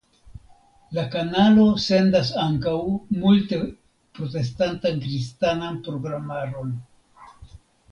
La kanalo sendas ankaŭ multe protestantan kristanan programaron.